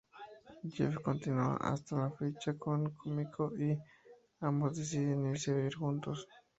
Jeff continúa hasta la fecha con Kumiko, y ambos deciden irse a vivir juntos.